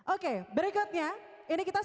oke berikutnya ini kita semakin lama ya